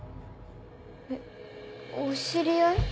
えっお知り合い？